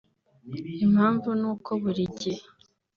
Impamvu ni uko buri gihe